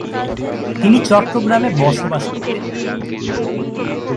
তিনি চট্টগ্রামে বসবাস করতেন।